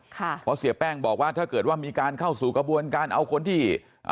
เพราะเสียแป้งบอกว่าถ้าเกิดว่ามีการเข้าสู่กระบวนการเอาคนที่